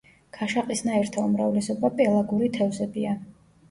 ქაშაყისნაირთა უმრავლესობა პელაგური თევზებია.